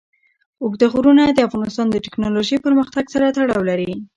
اوږده غرونه د افغانستان د تکنالوژۍ پرمختګ سره تړاو لري.